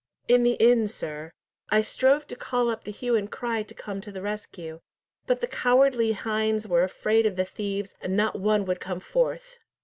"In the inn, sir. I strove to call up the hue and cry to come to the rescue, but the cowardly hinds were afraid of the thieves, and not one would come forth."